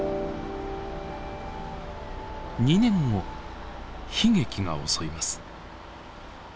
２年後悲劇が襲います。